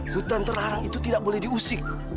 hutan terlarang itu tidak boleh diusik